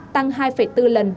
tăng hai bốn lần